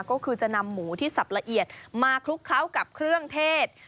ก็คือจะนำหมูที่สับละเอียดมาคลุกเคล้ากับเครื่องเทศ